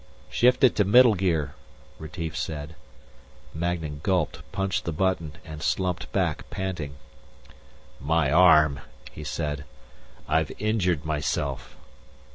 "Shift it to middle gear," Retief said. Magnan gulped, punched the button and slumped back, panting. "My arm," he said. "I've injured myself."